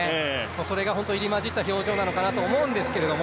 それが本当に入り交じった表情なのかなと思うんですけど